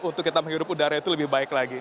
untuk kita menghirup udara itu lebih baik lagi